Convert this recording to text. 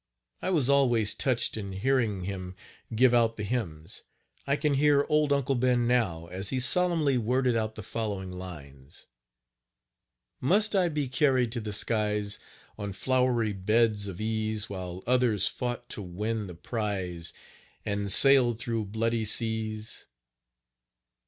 I was always touched in hearing him give out the hymns. I can hear old Uncle Ben now, as he solemnly worded out the following lines: Must I be carried to the skies, On flowery beds of ease, While others fought to Win the prize, &#160And sailed through bloody seas?